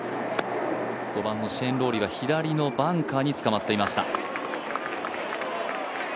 ５番のシェーン・ローリーは左のバンカーにつかまっていました。